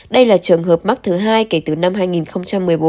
đây là trường hợp mắc thứ hai kể từ năm hai nghìn một mươi bốn